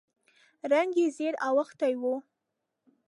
رنګ یې ژېړ اوښتی و.